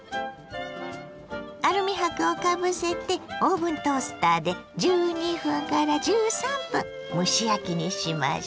アルミ箔をかぶせてオーブントースターで１２１３分蒸し焼きにしましょ。